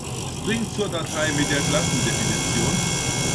Spring zur Datei mit der Klassendefinition!